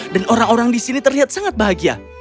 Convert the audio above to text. dan orang orang di sini terlihat sangat bahagia